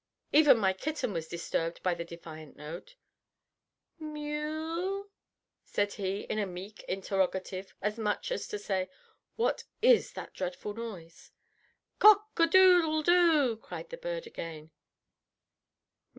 Even my kitten was disturbed by the defiant note. "M e w?" said he, in a meek interrogative, as much as to say, "What is that dreadful noise?" "Cock a doodle do," cried the bird again.